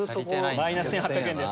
マイナス１８００円です